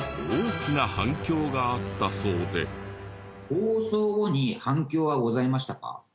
放送後に反響はございましたか？